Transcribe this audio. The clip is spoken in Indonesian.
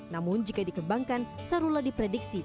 namun jika dikembangkan sarula diprediksi